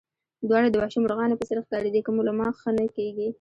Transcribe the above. دواړه د وحشي مرغانو په څېر ښکارېدې، که مو له ما ښه نه کېږي.